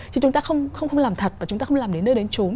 chứ chúng ta không làm thật và chúng ta không làm đến nơi đến trốn